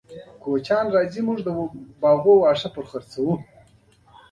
د باهاما د یوې ټاپو تر کشف وروسته دا اکتشافات پیل شول.